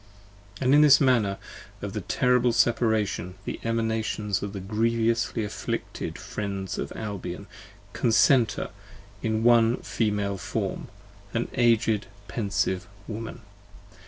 And this the manner of the terrible Separation. The Emanations of the grievously afflicted Friends of Albion Concenter in one Female form, an Aged pensive Woman.